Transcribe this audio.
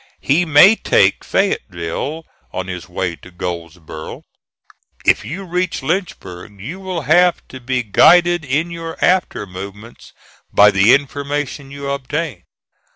He may take Fayetteville on his way to Goldsboro'. If you reach Lynchburg, you will have to be guided in your after movements by the information you obtain.